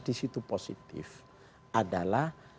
disitu positif adalah